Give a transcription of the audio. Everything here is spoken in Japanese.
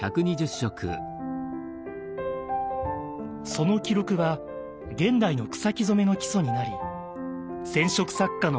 その記録は現代の草木染の基礎になり染色作家の手本となっています。